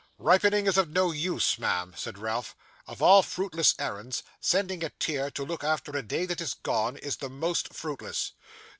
'Repining is of no use, ma'am,' said Ralph. 'Of all fruitless errands, sending a tear to look after a day that is gone is the most fruitless.